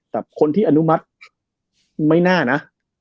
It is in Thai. แต่คนที่อนุมัติไม่น่านะ